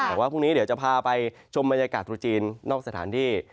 แต่ว่าพรุ่งนี้เดี๋ยวจะพาไปชมบรรยากาศตรุษจีนนอกสถานที่